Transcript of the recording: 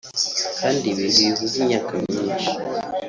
kandi ibi ntibivuze imyaka myinshi